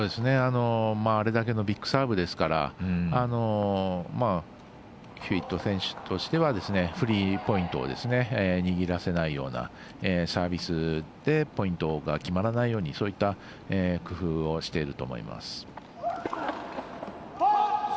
あれだけのビッグサーブですからヒューウェット選手としてはフリーポイントを握らせないようなサービスでポイントが決まらないようにそういった工夫をしていると思います。